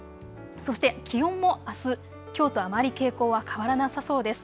そして気温もあす、きょうとあまり傾向は変わらなさそうです。